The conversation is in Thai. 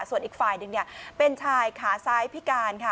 ส่วนอีกฝ่ายหนึ่งเป็นชายขาซ้ายพิการค่ะ